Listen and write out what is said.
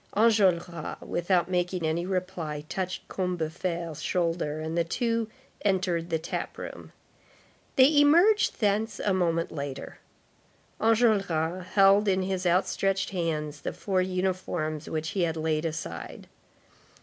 Enjolras, without making any reply, touched Combeferre's shoulder, and the two entered the tap room. They emerged thence a moment later. Enjolras held in his outstretched hands the four uniforms which he had laid aside.